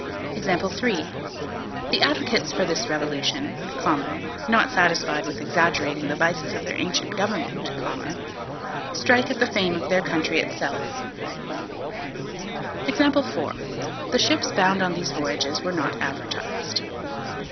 The advocates for this revolution, not satisfied with exaggerating the vices of their ancient government, strike at the fame of their country itself. The ships bound on these voyages were not advertised.